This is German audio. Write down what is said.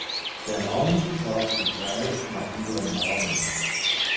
Der Mann fragt die Frau nach ihrem Namen.